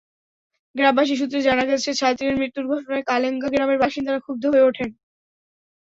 গ্রামবাসী সূত্রে জানা গেছে, ছাতিরের মৃত্যুর ঘটনায় কালেঙ্গা গ্রামের বাসিন্দারা ক্ষুব্ধ হয়ে ওঠেন।